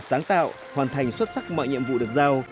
sáng tạo hoàn thành xuất sắc mọi nhiệm vụ được giao